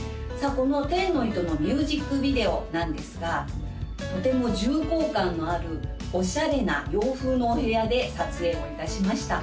この「天の糸」のミュージックビデオなんですがとても重厚感のあるオシャレな洋風のお部屋で撮影をいたしました